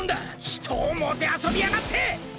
ひとをもてあそびやがって！